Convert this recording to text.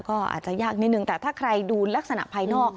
ก็อาจจะยากนิดนึงแต่ถ้าใครดูลักษณะภายนอก